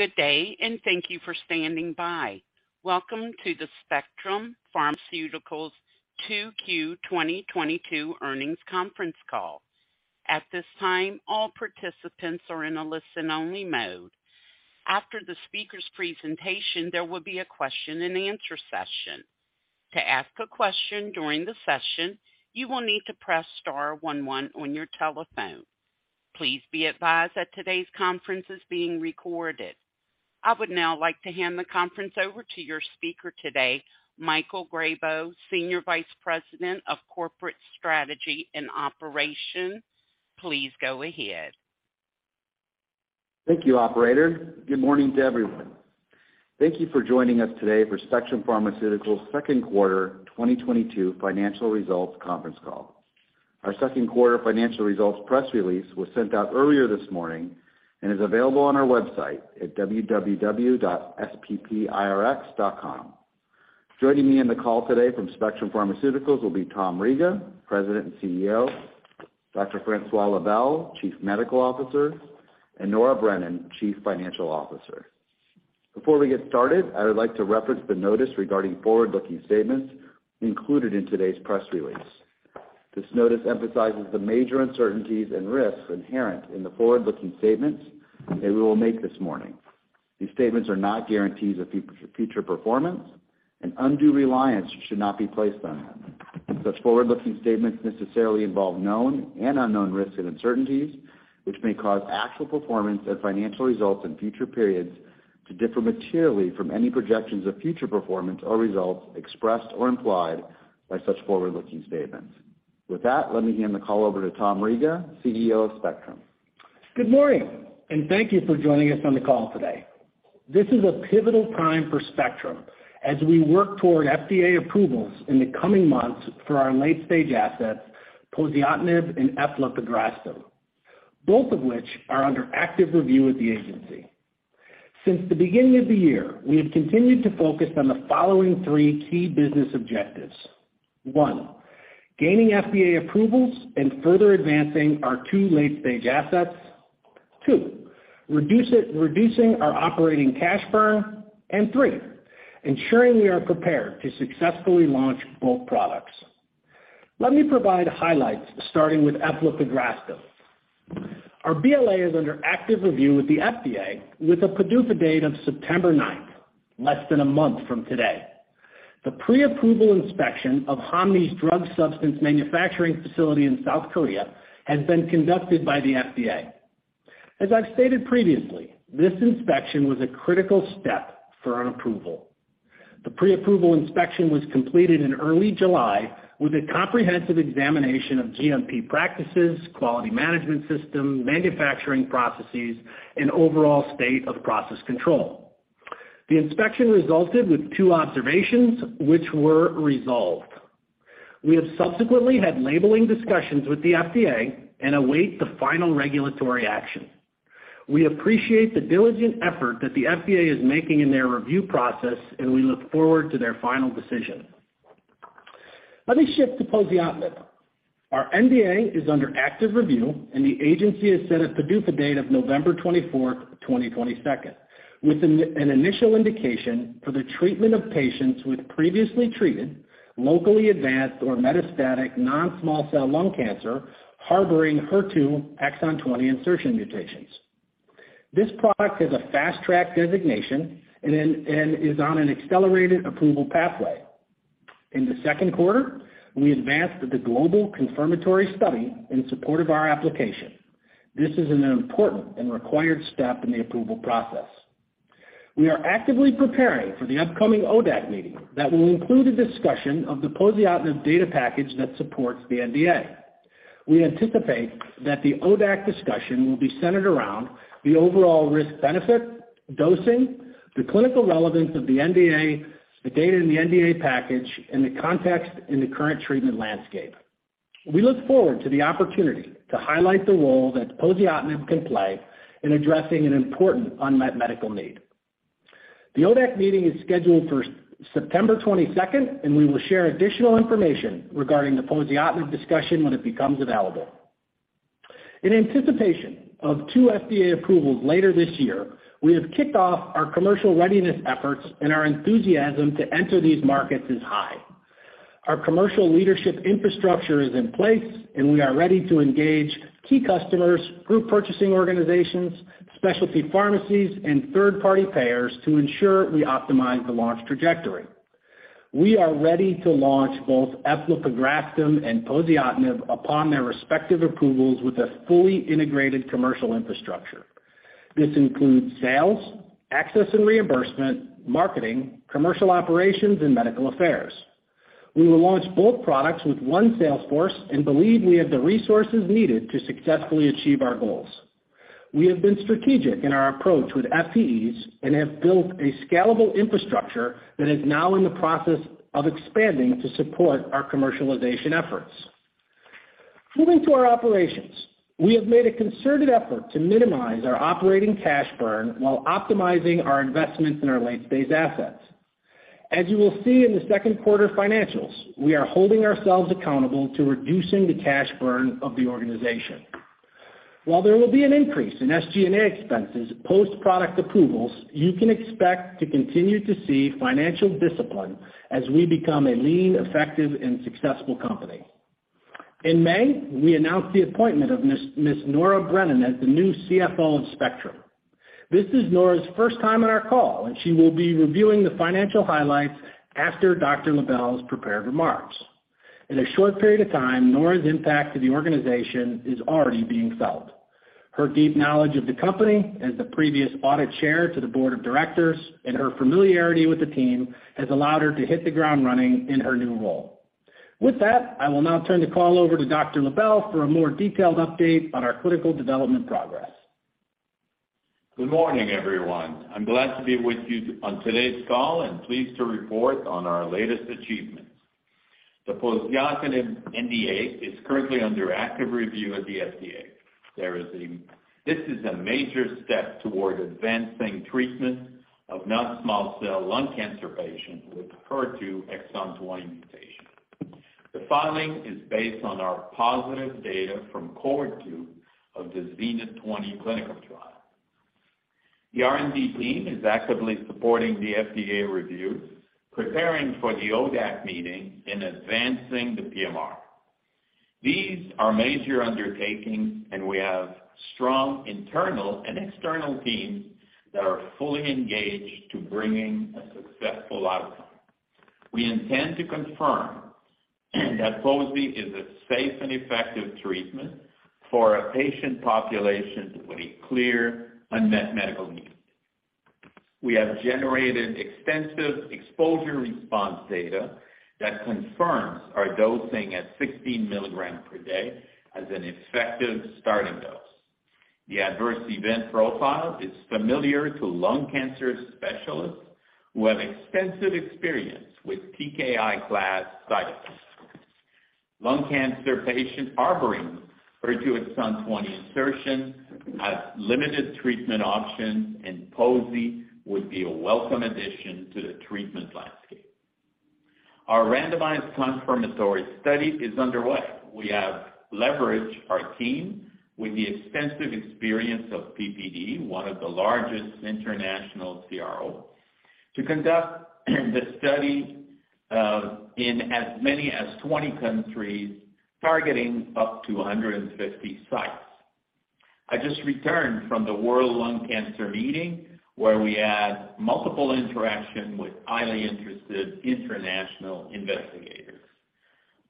Good day, and thank you for standing by. Welcome to the Spectrum Pharmaceuticals 2Q 2022 Earnings Conference Call. At this time, all participants are in a listen-only mode. After the speaker's presentation, there will be a question-and-answer session. To ask a question during the session, you will need to press star one one on your telephone. Please be advised that today's conference is being recorded. I would now like to hand the conference over to your speaker today, Michael Grabow, Senior Vice President of Corporate Strategy and Operation. Please go ahead. Thank you, operator. Good morning to everyone. Thank you for joining us today for Spectrum Pharmaceuticals' Second Quarter 2022 Financial Results Conference Call. Our second quarter financial results press release was sent out earlier this morning and is available on our website at www.sppirx.com. Joining me in the call today from Spectrum Pharmaceuticals will be Tom Riga, President and CEO, Dr. Francois Lebel, Chief Medical Officer, and Nora Brennan, Chief Financial Officer. Before we get started, I would like to reference the notice regarding forward-looking statements included in today's press release. This notice emphasizes the major uncertainties and risks inherent in the forward-looking statements that we will make this morning. These statements are not guarantees of future performance and undue reliance should not be placed on them. Such forward-looking statements necessarily involve known and unknown risks and uncertainties, which may cause actual performance and financial results in future periods to differ materially from any projections of future performance or results expressed or implied by such forward-looking statements. With that, let me hand the call over to Tom Riga, CEO of Spectrum. Good morning, and thank you for joining us on the call today. This is a pivotal time for Spectrum as we work toward FDA approvals in the coming months for our late-stage assets, poziotinib and eflapegrastim, both of which are under active review at the agency. Since the beginning of the year, we have continued to focus on the following three key business objectives. One, gaining FDA approvals and further advancing our two late-stage assets. Two, reducing our operating cash burn. Three, ensuring we are prepared to successfully launch both products. Let me provide highlights, starting with eflapegrastim. Our BLA is under active review with the FDA with a PDUFA date of September ninth, less than a month from today. The pre-approval inspection of Hanmi's drug substance manufacturing facility in South Korea has been conducted by the FDA. As I've stated previously, this inspection was a critical step for an approval. The pre-approval inspection was completed in early July with a comprehensive examination of GMP practices, quality management system, manufacturing processes, and overall state of process control. The inspection resulted with two observations which were resolved. We have subsequently had labeling discussions with the FDA and await the final regulatory action. We appreciate the diligent effort that the FDA is making in their review process, and we look forward to their final decision. Let me shift to poziotinib. Our NDA is under active review, and the agency has set a PDUFA date of November 24, 2022, with an initial indication for the treatment of patients with previously treated locally advanced or metastatic non-small cell lung cancer harboring HER2 exon 20 insertion mutations. This product has a Fast Track designation and is on an accelerated approval pathway. In the second quarter, we advanced the global confirmatory study in support of our application. This is an important and required step in the approval process. We are actively preparing for the upcoming ODAC meeting that will include a discussion of the poziotinib data package that supports the NDA. We anticipate that the ODAC discussion will be centered around the overall risk-benefit, dosing, the clinical relevance of the NDA, the data in the NDA package, and the context in the current treatment landscape. We look forward to the opportunity to highlight the role that poziotinib can play in addressing an important unmet medical need. The ODAC meeting is scheduled for September 22, and we will share additional information regarding the poziotinib discussion when it becomes available. In anticipation of two FDA approvals later this year, we have kicked off our commercial readiness efforts, and our enthusiasm to enter these markets is high. Our commercial leadership infrastructure is in place, and we are ready to engage key customers, group purchasing organizations, specialty pharmacies, and third-party payers to ensure we optimize the launch trajectory. We are ready to launch both eflapegrastim and poziotinib upon their respective approvals with a fully integrated commercial infrastructure. This includes sales, access and reimbursement, marketing, commercial operations, and medical affairs. We will launch both products with one sales force and believe we have the resources needed to successfully achieve our goals. We have been strategic in our approach with FTEs and have built a scalable infrastructure that is now in the process of expanding to support our commercialization efforts. Moving to our operations, we have made a concerted effort to minimize our operating cash burn while optimizing our investments in our late-stage assets. As you will see in the second quarter financials, we are holding ourselves accountable to reducing the cash burn of the organization. While there will be an increase in SG&A expenses post-product approvals, you can expect to continue to see financial discipline as we become a lean, effective, and successful company. In May, we announced the appointment of Ms. Nora Brennan as the new CFO of Spectrum. This is Nora's first time on our call, and she will be reviewing the financial highlights after Dr. Lebel's prepared remarks. In a short period of time, Nora's impact to the organization is already being felt. Her deep knowledge of the company as the previous audit chair to the board of directors and her familiarity with the team has allowed her to hit the ground running in her new role. With that, I will now turn the call over to Dr. Lebel for a more detailed update on our clinical development progress. Good morning, everyone. I'm glad to be with you on today's call and pleased to report on our latest achievements. The poziotinib NDA is currently under active review at the FDA. This is a major step toward advancing treatment of non-small cell lung cancer patients with HER2 exon 20 mutation. The filing is based on our positive data from cohort two of the ZENITH20 clinical trial. The R&D team is actively supporting the FDA review, preparing for the ODAC meeting and advancing the PMR. These are major undertakings, and we have strong internal and external teams that are fully engaged to bringing a successful outcome. We intend to confirm that pozi is a safe and effective treatment for a patient population with a clear unmet medical need. We have generated extensive exposure-response data that confirms our dosing at 16 milligrams per day as an effective starting dose. The adverse event profile is familiar to lung cancer specialists who have extensive experience with TKI class agents. Lung cancer patients harboring HER2 exon 20 insertion have limited treatment options, and poziotinib would be a welcome addition to the treatment landscape. Our randomized confirmatory study is underway. We have leveraged our team with the extensive experience of PPD, one of the largest international CROs, to conduct the study in as many as 20 countries, targeting up to 150 sites. I just returned from the World Conference on Lung Cancer, where we had multiple interactions with highly interested international investigators.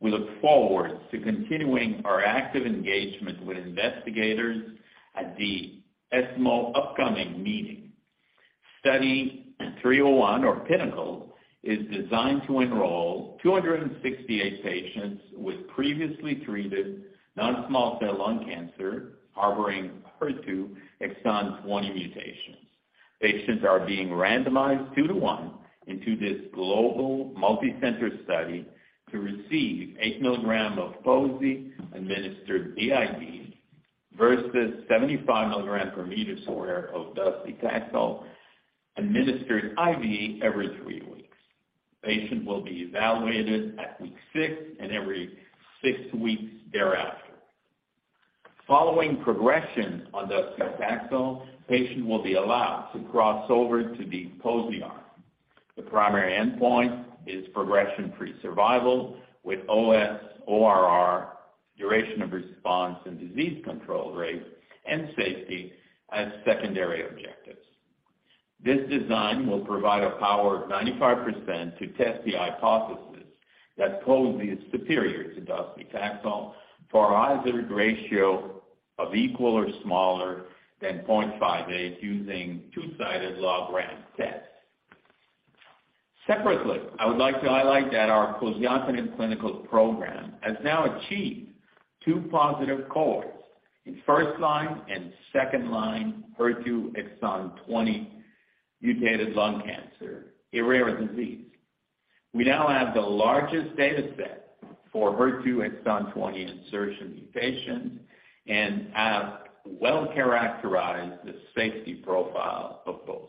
We look forward to continuing our active engagement with investigators at the upcoming ESMO meeting. Study 301 or PINNACLE is designed to enroll 268 patients with previously treated non-small cell lung cancer harboring HER2 exon 20 mutations. Patients are being randomized 2:1 into this global multicenter study to receive eight milligrams of poziotinib administered BID versus 75 milligrams per square meter of docetaxel administered IV every three weeks. Patients will be evaluated at week six and every six weeks thereafter. Following progression on docetaxel, patients will be allowed to cross over to the poziotinib arm. The primary endpoint is progression-free survival with OS, ORR, duration of response and disease control rate and safety as secondary objectives. This design will provide a power of 95% to test the hypothesis that poziotinib is superior to docetaxel for odds ratio of equal or smaller than 0.58 using two-sided log-rank test. Separately, I would like to highlight that our poziotinib clinical program has now achieved 2 positive cohorts in first line and second line HER2 exon 20 mutated lung cancer, a rare disease. We now have the largest data set for HER2 exon 20 insertion mutations and have well characterized the safety profile of posy.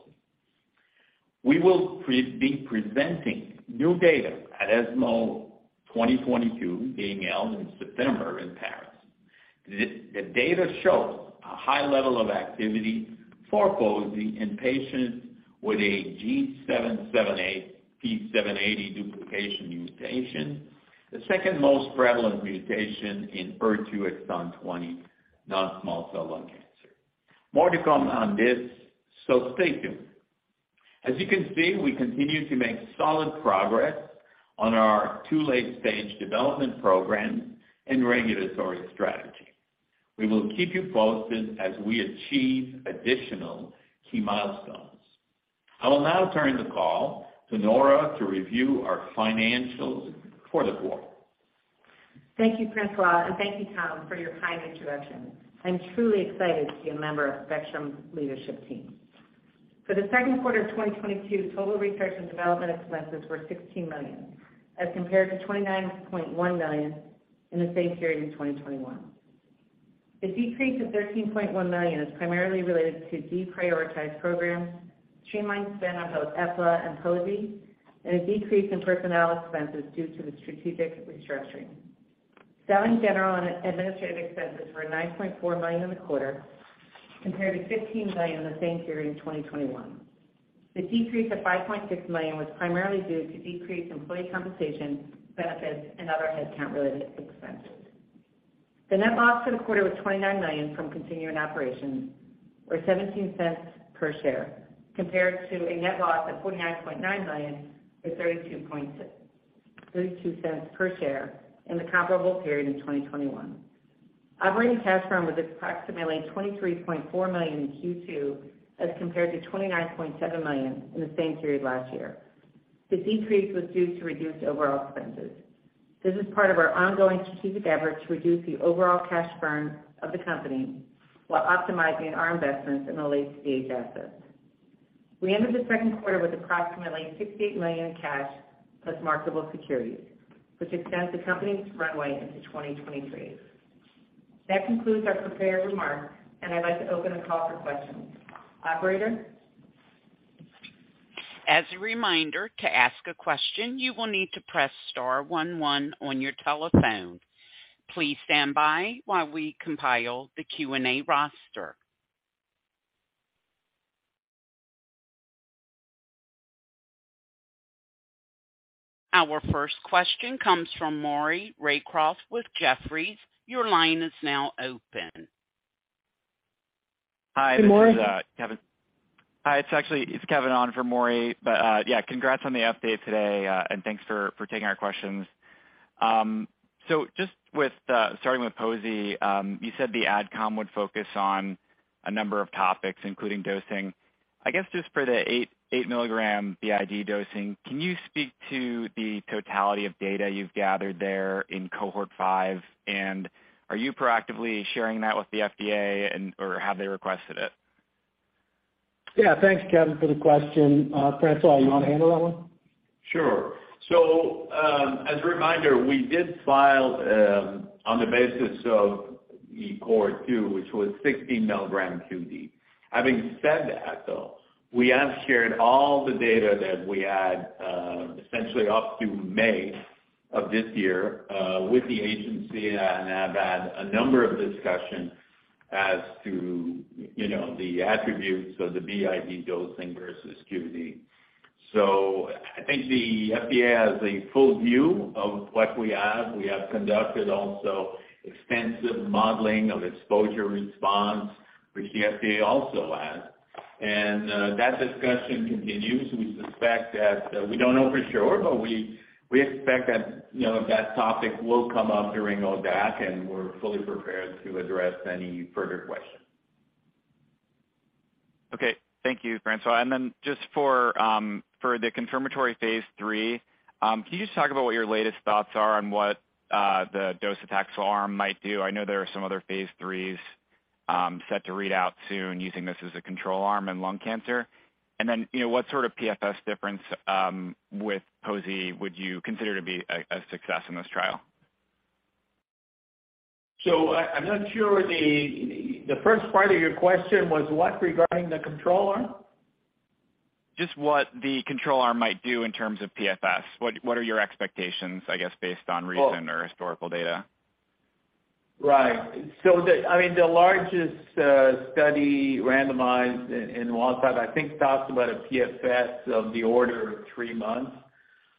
We will be presenting new data at ESMO 2022 being held in September in Paris. The data shows a high level of activity for posy in patients with a G778 P780 duplication mutation, the second most prevalent mutation in HER2 exon 20 non-small cell lung cancer. More to come on this, so stay tuned. As you can see, we continue to make solid progress on our two late-stage development programs and regulatory strategy. We will keep you posted as we achieve additional key milestones. I will now turn the call to Nora to review our financials for the quarter. Thank you, Francois, and thank you, Tom, for your kind introduction. I'm truly excited to be a member of Spectrum's leadership team. For the second quarter of 2022, total research and development expenses were $16 million, as compared to $29.1 million in the same period in 2021. The decrease of $13.1 million is primarily related to deprioritized programs, streamlined spend on both eflapegrastim and poziotinib, and a decrease in personnel expenses due to the strategic restructuring. Selling, general, and administrative expenses were $9.4 million in the quarter compared to $15 million in the same period in 2021. The decrease of $5.6 million was primarily due to decreased employee compensation benefits and other headcount-related expenses. The net loss for the quarter was $29 million from continuing operations or $0.17 per share, compared to a net loss of $49.9 million or $0.32 per share in the comparable period in 2021. Operating cash flow was approximately $23.4 million in Q2 as compared to $29.7 million in the same period last year. The decrease was due to reduced overall expenses. This is part of our ongoing strategic effort to reduce the overall cash burn of the company while optimizing our investments in the late-stage assets. We ended the second quarter with approximately $68 million in cash plus marketable securities, which extends the company's runway into 2023. That concludes our prepared remarks, and I'd like to open a call for questions. Operator? As a reminder, to ask a question, you will need to press star one one on your telephone. Please stand by while we compile the Q&A roster. Our first question comes from Maury Raycroft with Jefferies. Your line is now open. Good morning. Hi, this is Kevin. Hi, it's actually Kevin on for Maury. Yeah, congrats on the update today, and thanks for taking our questions. So just starting with poziotinib, you said the AdCom would focus on a number of topics, including dosing. I guess just for the eight milligram BID dosing, can you speak to the totality of data you've gathered there in cohort five? And are you proactively sharing that with the FDA and or have they requested it? Yeah. Thanks, Kevin, for the question. Francois, you wanna handle that one? Sure. As a reminder, we did file on the basis of the cohort two, which was 16 milligram QD. Having said that, though, we have shared all the data that we had essentially up to May of this year with the agency and have had a number of discussions as to, you know, the attributes of the BID dosing versus QD. I think the FDA has a full view of what we have. We have conducted also extensive modeling of exposure-response, which the FDA also has. That discussion continues. We suspect that we don't know for sure, but we expect that, you know, that topic will come up during ODAC, and we're fully prepared to address any further questions. Okay. Thank you, Francois. Just for the confirmatory phase 3, can you just talk about what your latest thoughts are on what the docetaxel arm might do? I know there are some other phase 3s set to read out soon using this as a control arm in lung cancer. You know, what sort of PFS difference with poziotinib would you consider to be a success in this trial? I'm not sure the first part of your question was what regarding the control arm? Just what the control arm might do in terms of PFS. What are your expectations, I guess, based on recent or historical data? I mean, the largest study randomized in NSCLC, I think, talks about a PFS of the order of 3 months,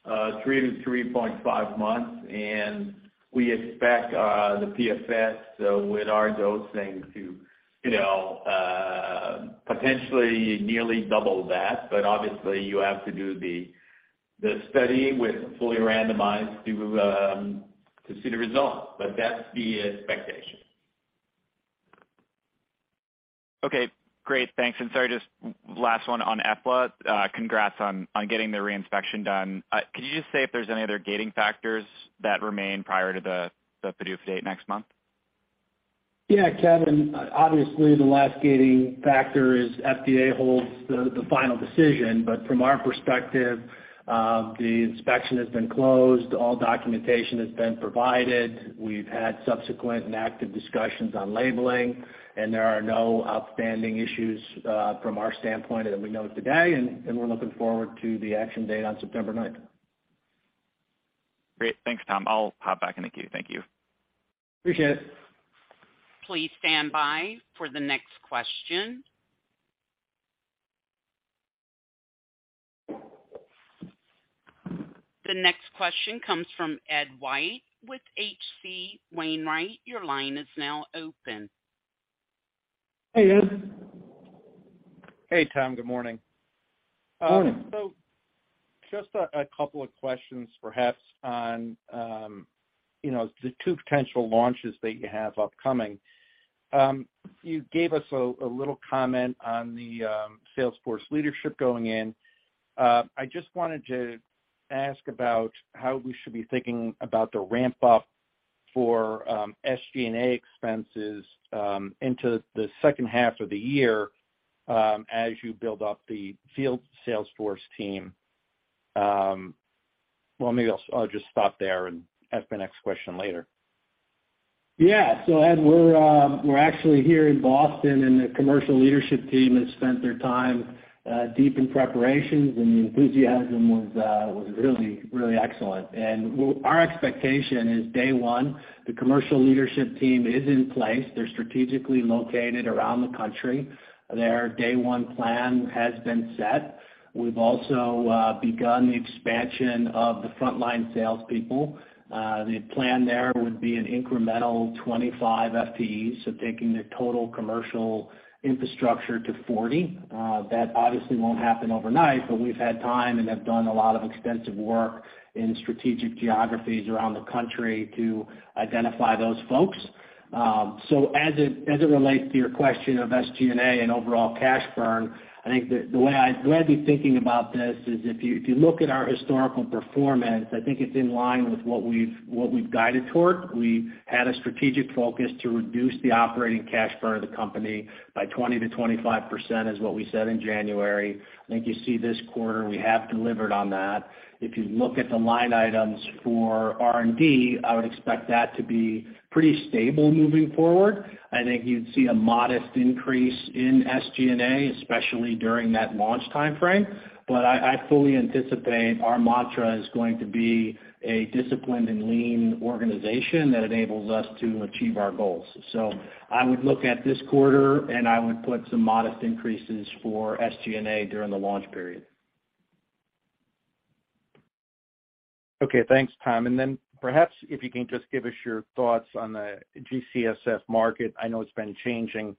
3-3.5 months. We expect the PFS with our dosing to, you know, potentially nearly double that. Obviously, you have to do the study with fully randomized to see the results. That's the expectation. Okay. Great. Thanks. Sorry, just last one on eflapegrastim. Congrats on getting the re-inspection done. Could you just say if there's any other gating factors that remain prior to the PDUFA date next month? Yeah, Kevin. Obviously, the last gating factor is FDA holds the the final decision. From our perspective, the inspection has been closed, all documentation has been provided. We've had subsequent and active discussions on labeling, and there are no outstanding issues, from our standpoint that we know of today, and we're looking forward to the action date on September ninth. Great. Thanks, Tom. I'll hop back in the queue. Thank you. Appreciate it. Please stand by for the next question. The next question comes from Ed White with H.C. Wainwright. Your line is now open. Hey, Ed. Hey, Tom. Good morning. Morning. Just a couple of questions perhaps on, you know, the two potential launches that you have upcoming. You gave us a little comment on the sales force leadership going in. I just wanted to ask about how we should be thinking about the ramp-up for SG&A expenses into the second half of the year as you build up the field sales force team. Well, maybe I'll just stop there and ask my next question later. Yeah. Ed, we're actually here in Boston, and the commercial leadership team has spent their time deep in preparations, and the enthusiasm was really excellent. Our expectation is day one, the commercial leadership team is in place. They're strategically located around the country. Their day one plan has been set. We've also begun the expansion of the frontline salespeople. The plan there would be an incremental 25 FTEs, so taking the total commercial infrastructure to 40. That obviously won't happen overnight, but we've had time and have done a lot of extensive work in strategic geographies around the country to identify those folks. As it relates to your question of SG&A and overall cash burn, I think the way I'd rather be thinking about this is if you look at our historical performance, I think it's in line with what we've guided toward. We had a strategic focus to reduce the operating cash burn of the company by 20%-25% is what we said in January. I think you see this quarter we have delivered on that. If you look at the line items for R&D, I would expect that to be pretty stable moving forward. I think you'd see a modest increase in SG&A, especially during that launch timeframe. I fully anticipate our mantra is going to be a disciplined and lean organization that enables us to achieve our goals. I would look at this quarter, and I would put some modest increases for SG&A during the launch period. Okay, thanks, Tom. Perhaps if you can just give us your thoughts on the GCSF market. I know it's been changing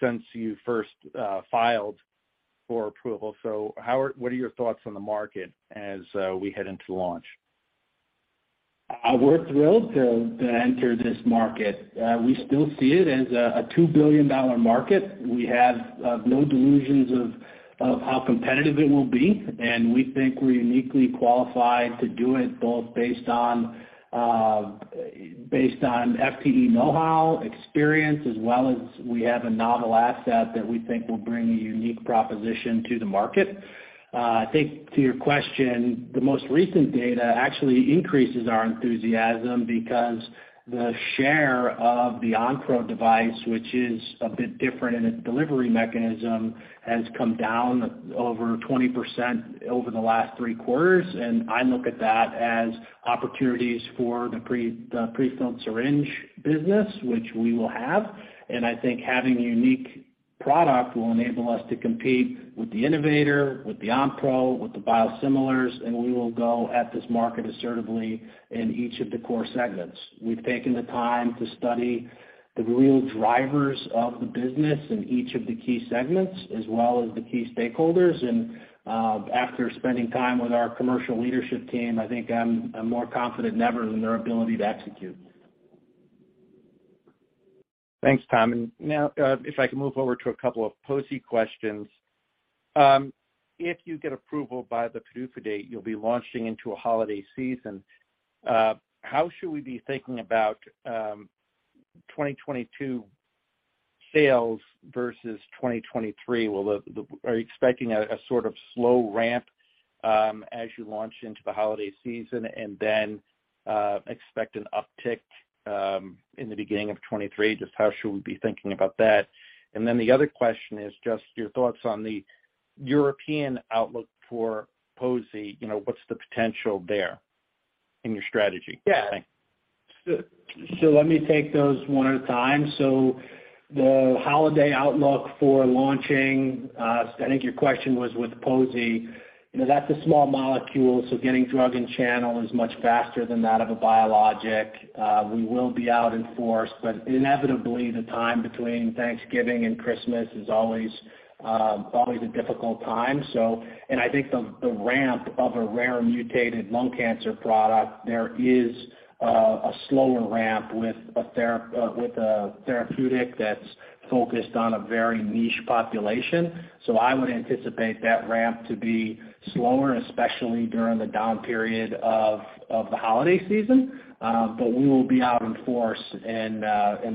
since you first filed for approval. What are your thoughts on the market as we head into launch? We're thrilled to enter this market. We still see it as a $2 billion market. We have no delusions of how competitive it will be, and we think we're uniquely qualified to do it, both based on FTE know-how, experience, as well as we have a novel asset that we think will bring a unique proposition to the market. I think to your question, the most recent data actually increases our enthusiasm because the share of the Onpro device, which is a bit different in its delivery mechanism, has come down over 20% over the last three quarters. I look at that as opportunities for the prefilled syringe business, which we will have. I think having a unique product will enable us to compete with the innovator, with the Onpro, with the biosimilars, and we will go at this market assertively in each of the core segments. We've taken the time to study the real drivers of the business in each of the key segments as well as the key stakeholders. After spending time with our commercial leadership team, I think I'm more confident than ever in their ability to execute. Thanks, Tom. Now, if I can move over to a couple of pozi questions. If you get approval by the PDUFA date, you'll be launching into a holiday season. How should we be thinking about 2022 sales versus 2023? Are you expecting a sort of slow ramp as you launch into the holiday season and then expect an uptick in the beginning of 2023? Just how should we be thinking about that? The other question is just your thoughts on the European outlook for pozi. You know, what's the potential there in your strategy? Yeah. So let me take those one at a time. The holiday outlook for launching, I think your question was with poziotinib. You know, that's a small molecule, so getting drug and channel is much faster than that of a biologic. We will be out in force, but inevitably, the time between Thanksgiving and Christmas is always a difficult time. I think the ramp of a rare mutated lung cancer product, there is a slower ramp with a therapeutic that's focused on a very niche population. I would anticipate that ramp to be slower, especially during the down period of the holiday season. But we will be out in force in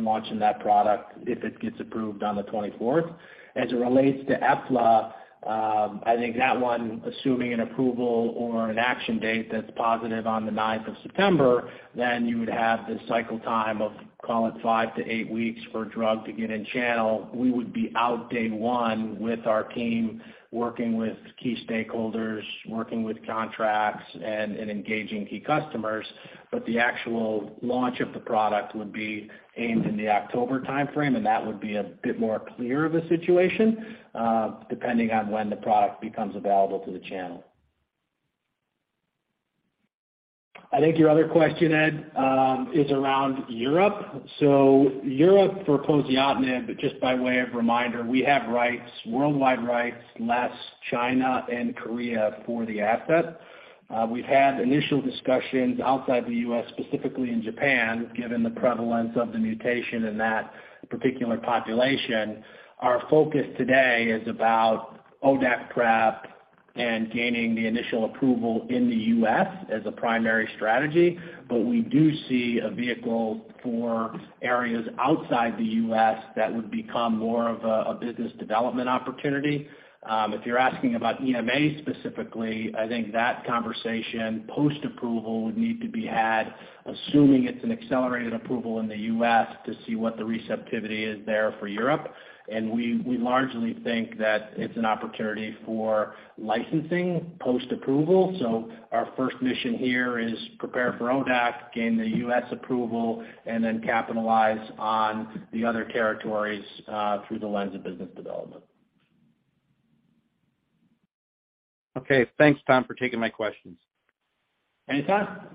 launching that product if it gets approved on the 24th. As it relates to eflapegrastim, I think that one, assuming an approval or an action date that's positive on the ninth of September, then you would have the cycle time of, call it, 5-8 weeks for drug to get in channel. We would be out day one with our team working with key stakeholders, working with contracts and engaging key customers. The actual launch of the product would be aimed in the October timeframe, and that would be a bit more clear of a situation, depending on when the product becomes available to the channel. I think your other question, Ed, is around Europe. Europe for poziotinib, but just by way of reminder, we have rights, worldwide rights, less China and Korea for the asset. We've had initial discussions outside the US, specifically in Japan, given the prevalence of the mutation in that particular population. Our focus today is about ODAC prep and gaining the initial approval in the US as a primary strategy. We do see a vehicle for areas outside the US that would become more of a business development opportunity. If you're asking about EMA specifically, I think that conversation post-approval would need to be had, assuming it's an accelerated approval in the US to see what the receptivity is there for Europe. We largely think that it's an opportunity for licensing post-approval. Our first mission here is prepare for ODAC, gain the US approval, and then capitalize on the other territories through the lens of business development. Okay. Thanks, Tom, for taking my questions. Anytime.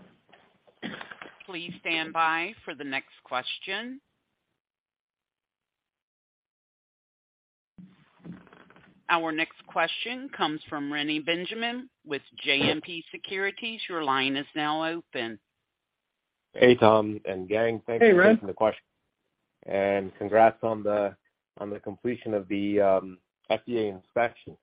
Please stand by for the next question. Our next question comes from Reni Benjamin with JMP Securities. Your line is now open. Hey, Tom and gang. Hey, Ren. Thank you for taking the question. Congrats on the completion of the FDA inspection.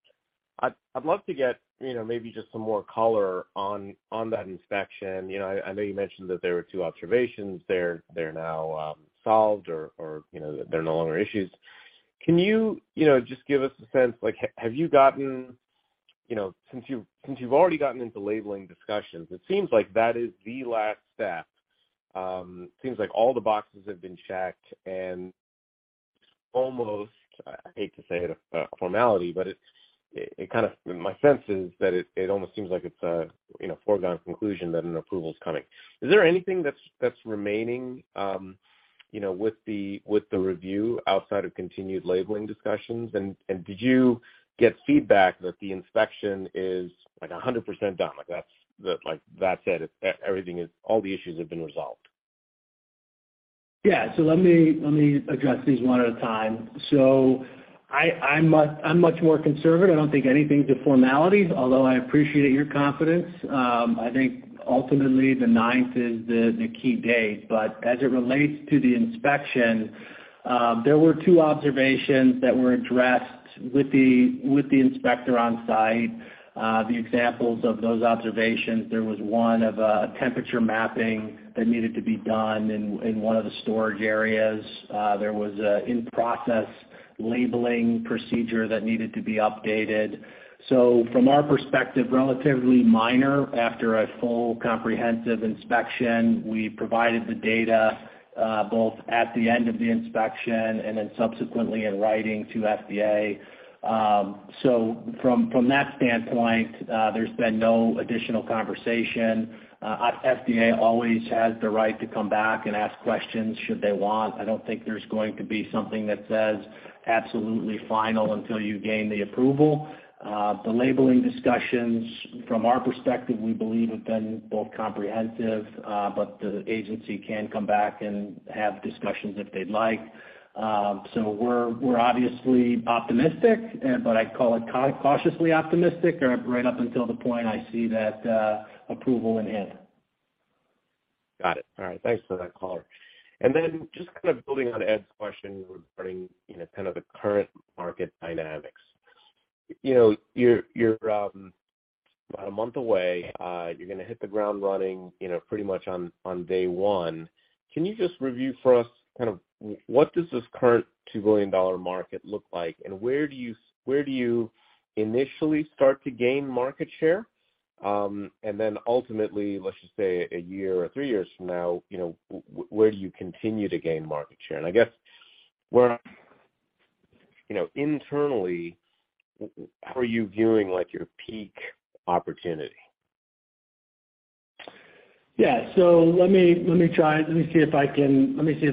I'd love to get, you know, maybe just some more color on that inspection. You know, I know you mentioned that there were two observations. They're now solved or, you know, they're no longer issues. Can you know, just give us a sense like have you gotten, you know, since you've already gotten into labeling discussions, it seems like that is the last step. Seems like all the boxes have been checked and almost, I hate to say it, a formality, but it kind of my sense is that it almost seems like it's a, you know, foregone conclusion that an approval is coming. Is there anything that's remaining, you know, with the review outside of continued labeling discussions? Did you get feedback that the inspection is, like, 100% done? Like that's it. Everything, all the issues have been resolved. Yeah. Let me address these one at a time. I'm much more conservative. I don't think anything's a formality, although I appreciate your confidence. I think ultimately the ninth is the key date. As it relates to the inspection, there were two observations that were addressed with the inspector on site. The examples of those observations, there was one of a temperature mapping that needed to be done in one of the storage areas. There was an in-process labeling procedure that needed to be updated. From our perspective, relatively minor after a full comprehensive inspection. We provided the data, both at the end of the inspection and then subsequently in writing to FDA. From that standpoint, there's been no additional conversation. FDA always has the right to come back and ask questions should they want. I don't think there's going to be something that says absolutely final until you gain the approval. The labeling discussions from our perspective, we believe have been both comprehensive, but the agency can come back and have discussions if they'd like. We're obviously optimistic, but I'd call it cautiously optimistic or right up until the point I see that approval in hand. Got it. All right. Thanks for that color. Then just kind of building on Ed's question regarding, you know, kind of the current market dynamics. You know, you're about a month away. You're gonna hit the ground running, you know, pretty much on day one. Can you just review for us kind of what does this current $2 billion market look like, and where do you initially start to gain market share? Then ultimately, let's just say a year or three years from now, you know, where do you continue to gain market share? I guess where, you know, internally, how are you viewing, like, your peak opportunity? Yeah. Let me try. Let me see if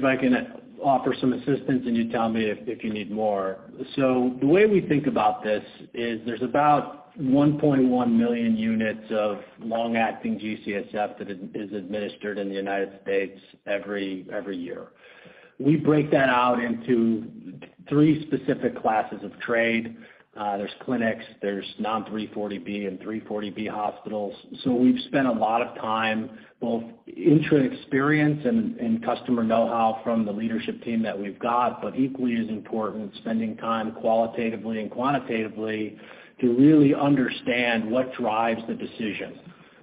I can offer some assistance and you tell me if you need more. The way we think about this is there's about 1.1 million units of long-acting GCSF that is administered in the United States every year. We break that out into three specific classes of trade. There's clinics, there's non-340B and 340B hospitals. We've spent a lot of time, both our experience and customer know-how from the leadership team that we've got, but equally as important, spending time qualitatively and quantitatively to really understand what drives the decision.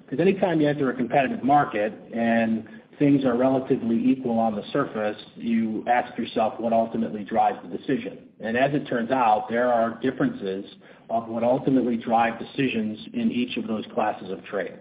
Because anytime you enter a competitive market and things are relatively equal on the surface, you ask yourself what ultimately drives the decision. As it turns out, there are differences on what ultimately drive decisions in each of those classes of trade.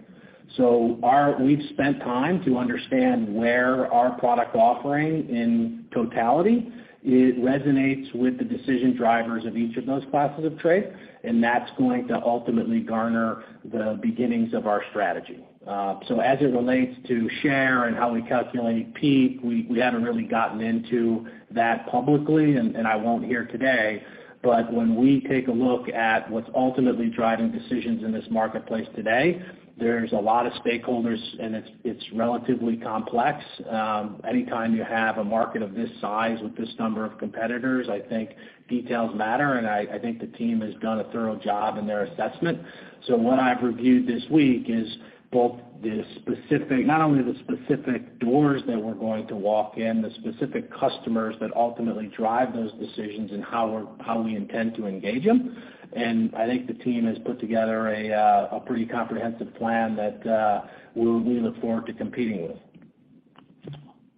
We've spent time to understand where our product offering in totality resonates with the decision drivers of each of those classes of trade, and that's going to ultimately garner the beginnings of our strategy. As it relates to share and how we calculate peak, we haven't really gotten into that publicly, and I won't here today. When we take a look at what's ultimately driving decisions in this marketplace today, there's a lot of stakeholders, and it's relatively complex. Any time you have a market of this size with this number of competitors, I think details matter, and I think the team has done a thorough job in their assessment. What I've reviewed this week is not only the specific doors that we're going to walk in, the specific customers that ultimately drive those decisions and how we intend to engage them. I think the team has put together a pretty comprehensive plan that we'll look forward to competing with.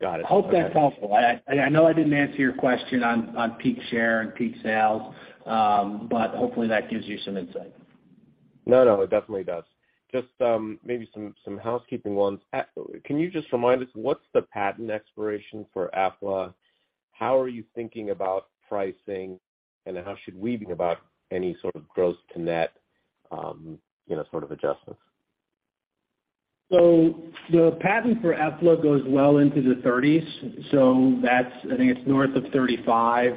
Got it. Hope that's helpful. I know I didn't answer your question on peak share and peak sales, but hopefully that gives you some insight. No, no, it definitely does. Just, maybe some housekeeping ones. Can you just remind us what's the patent expiration for eflapegrastim? How are you thinking about pricing, and how should we be about any sort of gross to net, you know, sort of adjustments? The patent for eflapegrastim goes well into the thirties. That's, I think it's north of 35,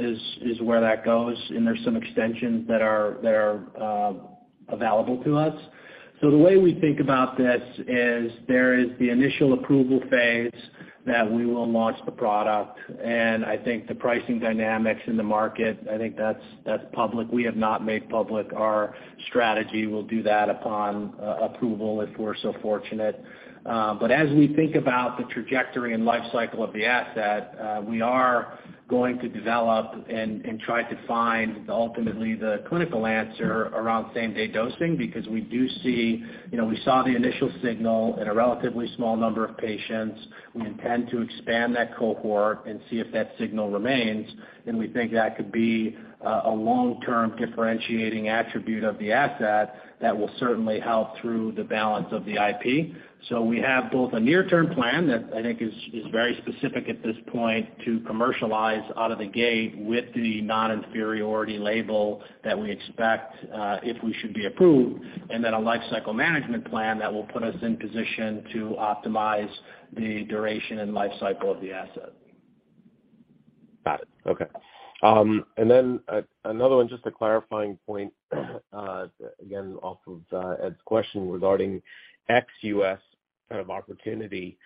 is where that goes, and there's some extensions that are available to us. The way we think about this is there is the initial approval phase that we will launch the product. I think the pricing dynamics in the market, I think that's public. We have not made public our strategy. We'll do that upon approval if we're so fortunate. But as we think about the trajectory and life cycle of the asset, we are going to develop and try to find ultimately the clinical answer around same-day dosing because we do see, you know, we saw the initial signal in a relatively small number of patients. We intend to expand that cohort and see if that signal remains, and we think that could be a long-term differentiating attribute of the asset that will certainly help through the balance of the IP. We have both a near-term plan that I think is very specific at this point to commercialize out of the gate with the non-inferiority label that we expect if we should be approved, and then a lifecycle management plan that will put us in position to optimize the duration and life cycle of the asset. Got it. Okay. Another one, just a clarifying point, again, off of Ed's question regarding ex-US kind of opportunity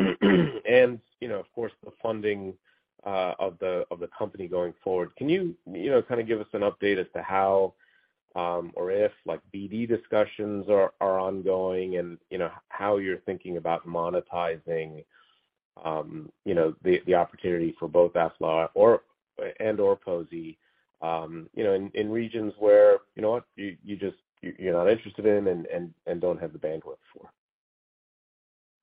and, you know, of course, the funding of the company going forward. Can you know, kind of give us an update as to how or if like BD discussions are ongoing and you know, how you're thinking about monetizing, you know, the opportunity for both eflapegrastim and poziotinib, you know, in regions where, you know, you're not interested in and don't have the bandwidth for?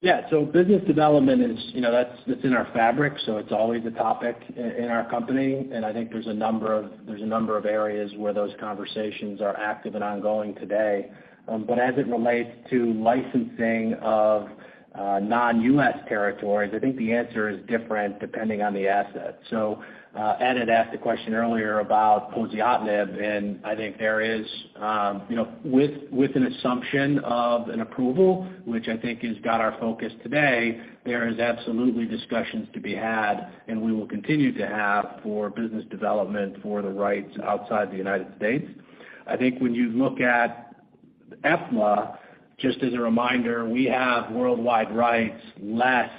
Yeah. Business development is, you know, that's in our fabric, so it's always a topic in our company. I think there's a number of areas where those conversations are active and ongoing today. As it relates to licensing of non-U.S. territories, I think the answer is different depending on the asset. Ed had asked a question earlier about poziotinib, and I think there is, you know, with an assumption of an approval, which I think has got our focus today, there is absolutely discussions to be had, and we will continue to have for business development for the rights outside the United States. I think when you look at eflapegrastim, just as a reminder, we have worldwide rights, less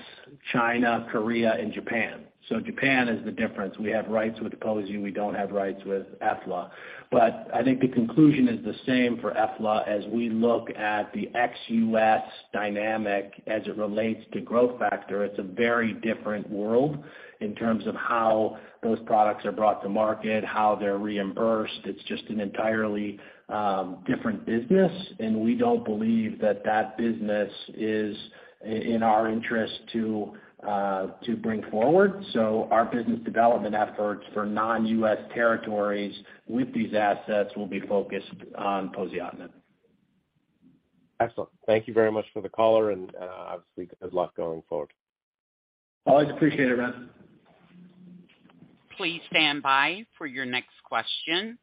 China, Korea, and Japan. Japan is the difference. We have rights with pozi, we don't have rights with efla. I think the conclusion is the same for efla as we look at the ex-US dynamic as it relates to growth factor. It's a very different world in terms of how those products are brought to market, how they're reimbursed. It's just an entirely different business, and we don't believe that business is in our interest to bring forward. Our business development efforts for non-US territories with these assets will be focused on poziotinib. Excellent. Thank you very much for the color and, obviously good luck going forward. Always appreciate it, Brad. Please stand by for your next question.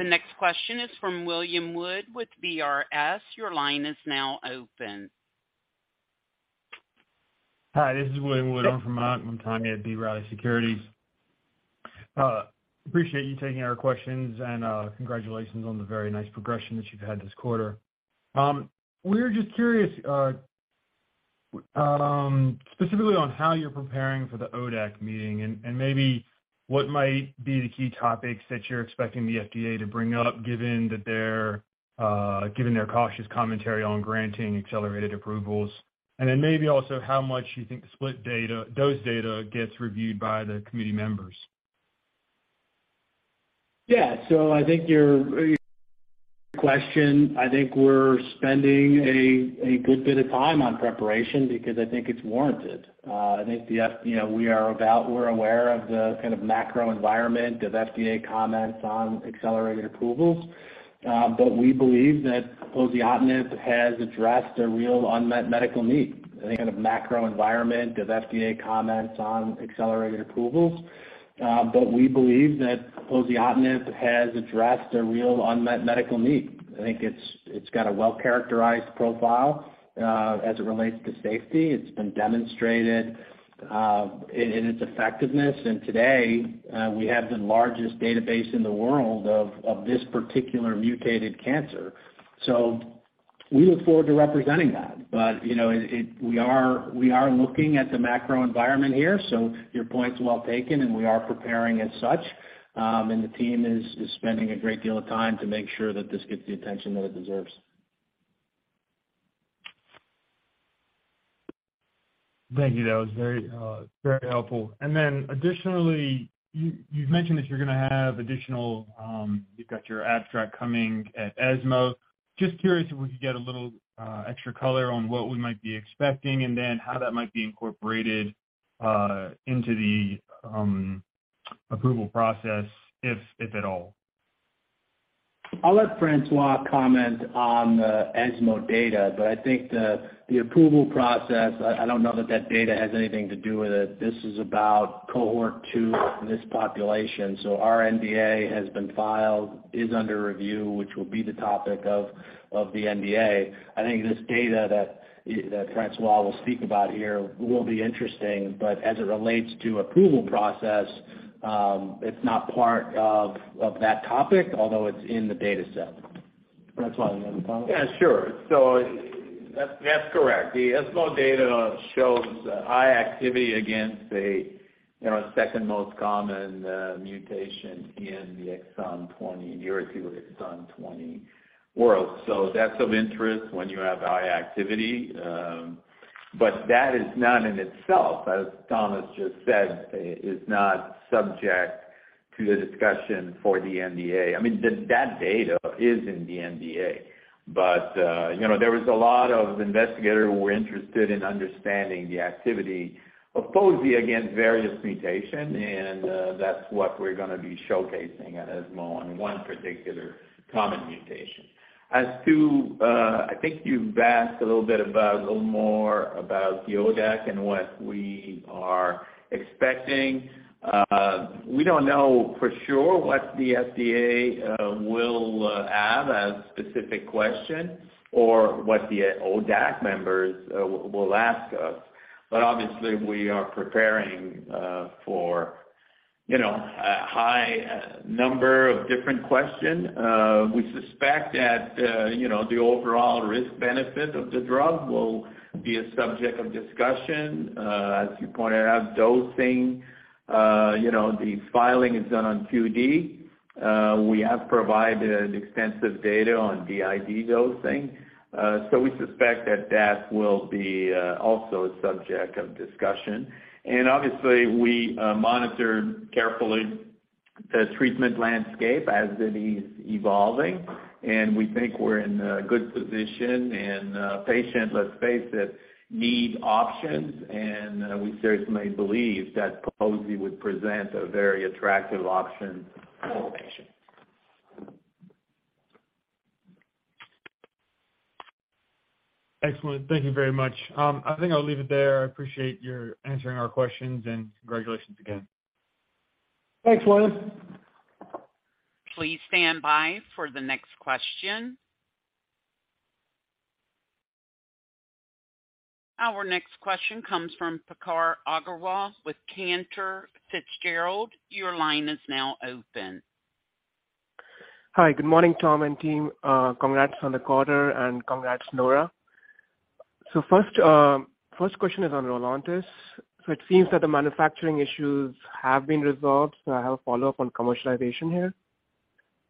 The next question is from William Wood with B. Riley Securities. Your line is now open. Hi, this is William Wood over at B. Riley Securities. Appreciate you taking our questions and congratulations on the very nice progression that you've had this quarter. We're just curious, specifically on how you're preparing for the ODAC meeting and maybe what might be the key topics that you're expecting the FDA to bring up, given their cautious commentary on granting accelerated approvals. Then maybe also how much you think dose data gets reviewed by the committee members. Yeah. I think your question, I think we're spending a good bit of time on preparation because I think it's warranted. We're aware of the kind of macro environment of FDA comments on accelerated approvals. We believe that poziotinib has addressed a real unmet medical need. I think in a macro environment of FDA comments on accelerated approvals. I think it's got a well-characterized profile as it relates to safety. It's been demonstrated in its effectiveness. Today, we have the largest database in the world of this particular mutated cancer. We look forward to representing that. You know, we are looking at the macro environment here, so your point's well taken, and we are preparing as such. The team is spending a great deal of time to make sure that this gets the attention that it deserves. Thank you. That was very helpful. Additionally, you've mentioned you've got your abstract coming at ESMO. Just curious if we could get a little extra color on what we might be expecting, and then how that might be incorporated into the approval process, if at all. I'll let Francois comment on the ESMO data, but I think the approval process, I don't know that data has anything to do with it. This is about cohort two in this population. Our NDA has been filed, is under review, which will be the topic of the NDA. I think this data that Francois will speak about here will be interesting, but as it relates to approval process, it's not part of that topic, although it's in the data set. Francois, you wanna comment? Yeah, sure. That's correct. The ESMO data shows high activity against a second most common mutation in the HER2 Exon 20 world. That's of interest when you have high activity. That is not in itself, as Tom just said, is not subject to the discussion for the NDA. I mean, that data is in the NDA. There was a lot of investigators who were interested in understanding the activity of Pozi against various mutation, and that's what we're gonna be showcasing at ESMO on one particular common mutation. As to, I think you've asked a little bit about a little more about the ODAC and what we are expecting. We don't know for sure what the FDA will have as specific question or what the ODAC members will ask us. Obviously, we are preparing for, you know, a high number of different question. We suspect that, you know, the overall risk benefit of the drug will be a subject of discussion. As you pointed out, dosing, you know, the filing is done on QD. We have provided extensive data on BID dosing, so we suspect that that will be also a subject of discussion. Obviously, we monitor carefully the treatment landscape as it is evolving, and we think we're in a good position. Patient, let's face it, need options, and we certainly believe that Pozi would present a very attractive option for patients. Excellent. Thank you very much. I think I'll leave it there. I appreciate your answering our questions, and congratulations again. Thanks, William. Please stand by for the next question. Our next question comes from Pankaj Agrawal with Cantor Fitzgerald. Your line is now open. Hi, good morning, Tom and team. Congrats on the quarter and congrats, Nora. First question is on Rolontis. It seems that the manufacturing issues have been resolved. I have a follow-up on commercialization here.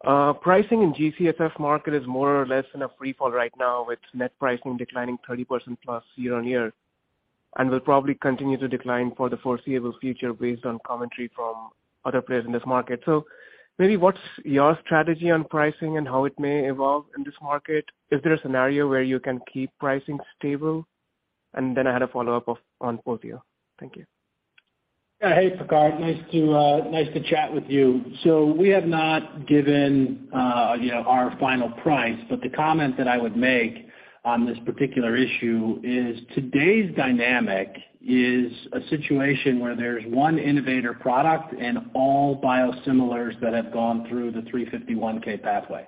Pricing in GCSF market is more or less in a free fall right now, with net pricing declining 30% plus year-on-year, and will probably continue to decline for the foreseeable future based on commentary from other players in this market. Maybe what's your strategy on pricing and how it may evolve in this market? Is there a scenario where you can keep pricing stable? I had a follow-up on Pozi. Thank you. Yeah. Hey, Pankaj. Nice to chat with you. We have not given, you know, our final price, but the comment that I would make on this particular issue is today's dynamic is a situation where there's one innovator product and all biosimilars that have gone through the 351(k) pathway.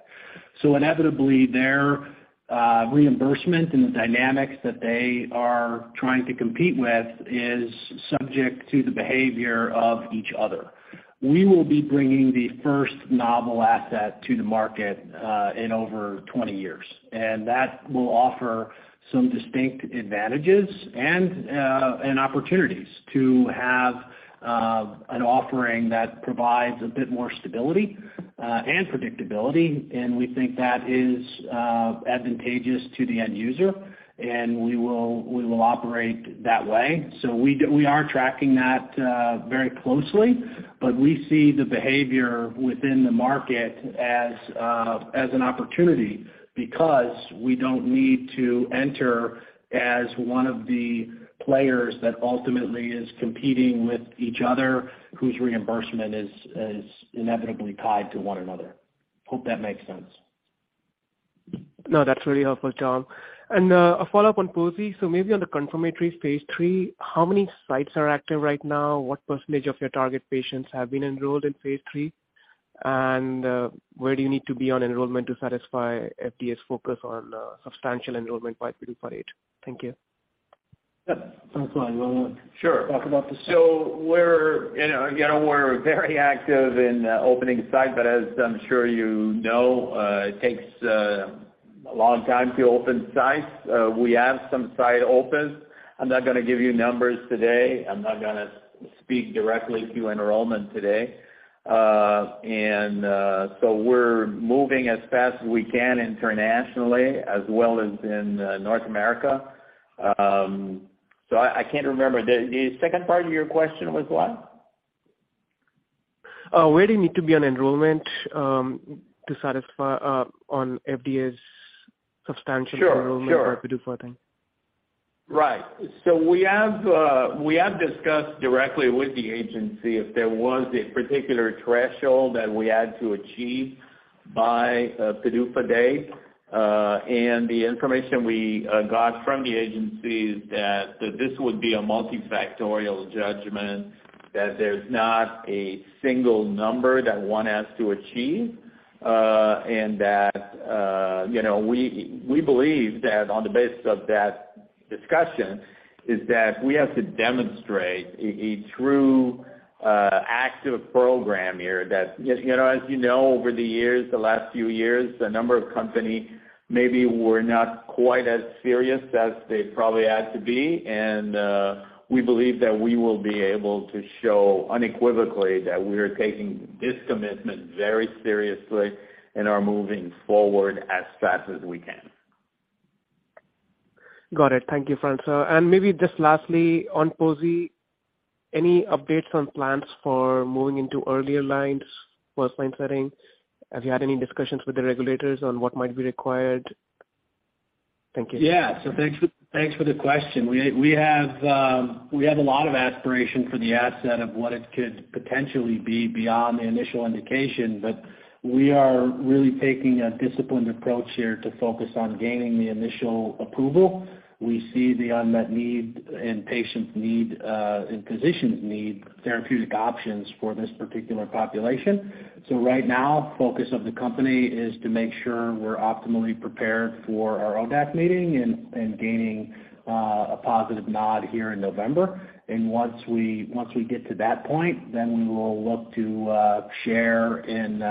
Inevitably, their reimbursement and the dynamics that they are trying to compete with is subject to the behavior of each other. We will be bringing the first novel asset to the market in over 20 years, and that will offer some distinct advantages and opportunities to have an offering that provides a bit more stability and predictability, and we think that is advantageous to the end user, and we will operate that way. We are tracking that very closely, but we see the behavior within the market as an opportunity because we don't need to enter as one of the players that ultimately is competing with each other, whose reimbursement is inevitably tied to one another. Hope that makes sense. No, that's really helpful, Tom. A follow-up on Pozi. Maybe on the confirmatory phase three, how many sites are active right now? What percentage of your target patients have been enrolled in phase three? Where do you need to be on enrollment to satisfy FDA's focus on substantial enrollment by 3258? Thank you. Yeah. Francois, you wanna. Sure. Talk about this? We're, you know, again, we're very active in opening sites, but as I'm sure you know, it takes a long time to open sites. We have some sites open. I'm not gonna give you numbers today. I'm not gonna speak directly to enrollment today. We're moving as fast as we can internationally as well as in North America. I can't remember. The second part of your question was what? Where do you need to be on enrollment to satisfy on FDA's substantial- Sure. Sure. Enrollment for PDUFA thing? Right. We have discussed directly with the agency if there was a particular threshold that we had to achieve by PDUFA day. The information we got from the agency is that this would be a multifactorial judgment, that there's not a single number that one has to achieve. You know, we believe that on the basis of that discussion is that we have to demonstrate a true active program here that you know, as you know, over the years, the last few years, a number of company maybe were not quite as serious as they probably had to be. We believe that we will be able to show unequivocally that we're taking this commitment very seriously and are moving forward as fast as we can. Got it. Thank you, François. Maybe just lastly, on pozi, any updates on plans for moving into earlier lines, first line setting? Have you had any discussions with the regulators on what might be required? Thank you. Yeah. Thanks for the question. We have a lot of aspiration for the asset of what it could potentially be beyond the initial indication, but we are really taking a disciplined approach here to focus on gaining the initial approval. We see the unmet need and patients' need and physicians' need therapeutic options for this particular population. Right now, focus of the company is to make sure we're optimally prepared for our ODAC meeting and gaining a positive nod here in November. Once we get to that point, then we will look to share in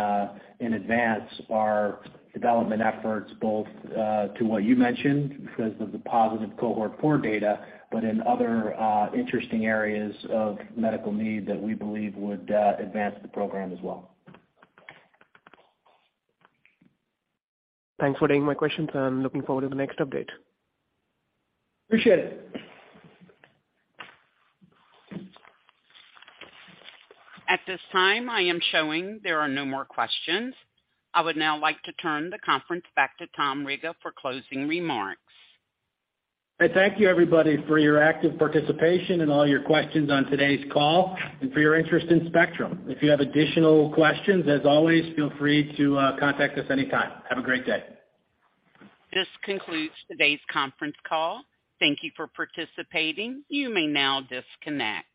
advance our development efforts both to what you mentioned because of the positive cohort four data, but in other interesting areas of medical need that we believe would advance the program as well. Thanks for taking my questions, and I'm looking forward to the next update. Appreciate it. At this time, I am showing there are no more questions. I would now like to turn the conference back to Tom Riga for closing remarks. I thank you, everybody, for your active participation and all your questions on today's call and for your interest in Spectrum. If you have additional questions, as always, feel free to contact us anytime. Have a great day. This concludes today's conference call. Thank you for participating. You may now disconnect.